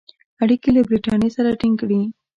اړیکي له برټانیې سره تینګ کړي.